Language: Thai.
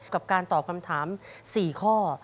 กับการตอบคำถาม๔ข้อ